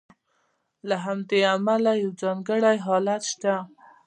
له همدې امله یو ځانګړی حالت شته.